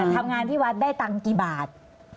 ทำงานที่วัดได้ตังค์กี่บาท